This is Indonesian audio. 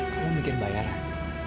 kamu mikir bayaran